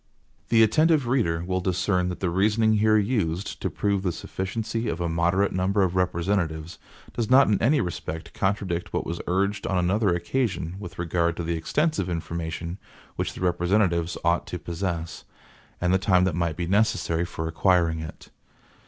(E1) The attentive reader will discern that the reasoning here used, to prove the sufficiency of a moderate number of representatives, does not in any respect contradict what was urged on another occasion with regard to the extensive information which the representatives ought to possess, and the time that might be necessary for acquiring it.